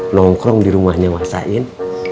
nongkrong di rumahnya wah sain